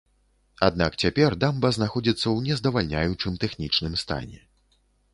Аднак цяпер дамба знаходзіцца ў нездавальняючым тэхнічным стане.